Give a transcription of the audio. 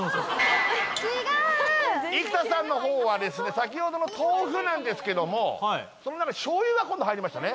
生田さんのほうはですね先ほどの豆腐なんですけどもその中に今度醤油が入りましたね。